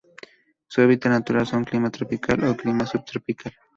Su hábitat natural son: clima tropical o Clima subtropical.